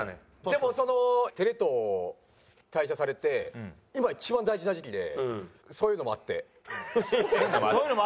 でもテレ東退社されて今一番大事な時期でそういうのもあってってどういう事？